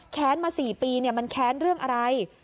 แค้นมา๔ปีเนี่ยมันแค้นเรื่องอะไร